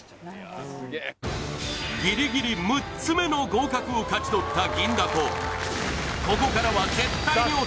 ギリギリ６つ目の合格を勝ち取った銀だこ